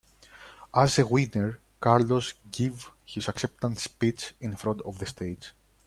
As a winner, Carlos give his acceptance speech in front of the stage.